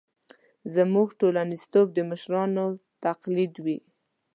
زموږ ټولنیزتوب د مشرانو تقلید وي.